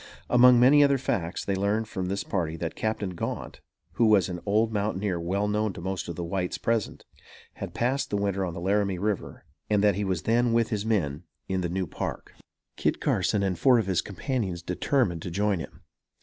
Among many other facts, they learned from this party that Captain Gaunt, who was an old mountaineer well known to most of the whites present, had passed the winter on the Laramie River, and that he was then with his men in the New Park. Kit Carson and four of his companions determined to join him.